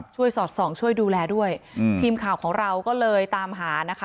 สอดส่องช่วยดูแลด้วยอืมทีมข่าวของเราก็เลยตามหานะคะ